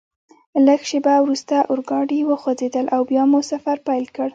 لږ شیبه وروسته اورګاډي وخوځېدل او بیا مو سفر پیل کړ.